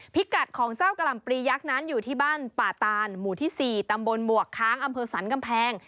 พิกัดของเจ้ากะหล่ำปลียักษ์นั้นอยู่ที่บ้านป่าตานหมู่ที่๔ตำบลหมวกค้างอำเภอสันกำแพง